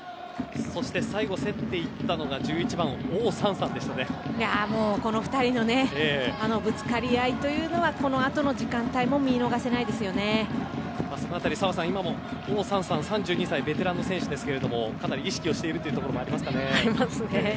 そして、最後競っていったのがこの２人のねぶつかり合いというのはこのあとの時間帯も澤さん、今もオウ・サンサン、３２歳ベテラン選手ですがかなり意識しているところもありますかね。